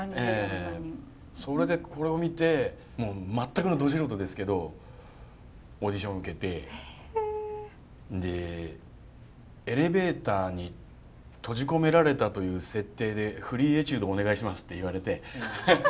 それでこれを見てもう全くのど素人ですけどオーディションを受けてでエレベーターに閉じ込められたという設定でフリーエチュードお願いしますって言われて。